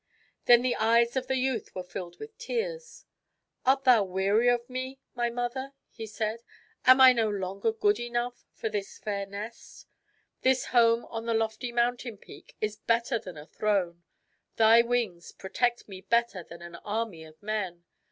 Then the eyes of the youth were filled with tears. " Art thou weary of me, my mother ?" he said. " Am I no longer good enough for this fair nest ? This home on the lofty mountain peak is better than a throne. Thy wings protect me better than an army of men.